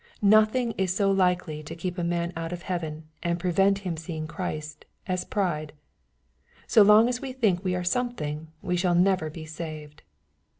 Nothing is so likely to keep a man out of heaven, and prevent him seeing Christ, as pride. So long as we think we are something we shall never be saved.